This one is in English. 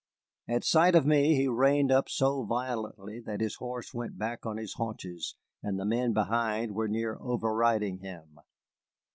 At sight of me he reined up so violently that his horse went back on his haunches, and the men behind were near overriding him.